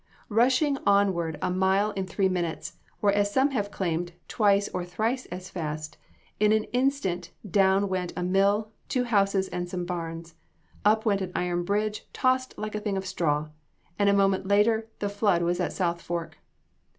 Rushing onward a mile in three minutes, or as some have claimed, twice or thrice as fast, in an instant down went a mill, two houses and some barns, up went an iron bridge tossed like a thing of straw, and a moment later the flood was at South Fork.